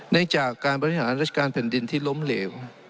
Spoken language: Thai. ได้จากการบริหารราชการแผ่นดินที่ล้มเหลว